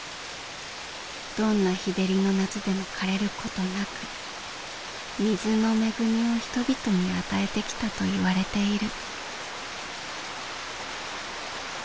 どんな日照りの夏でもかれることなく水の恵みを人々に与えてきたといわれている。